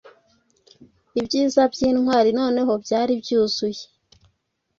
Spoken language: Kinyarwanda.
Ibyiza byintwari noneho byari byuzuye